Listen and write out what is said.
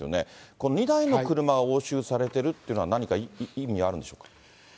この２台の車を押収されてるというのは、何か意味はあるんでしょ